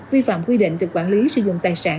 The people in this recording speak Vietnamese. vi phạm quy định về quản lý sử dụng tài sản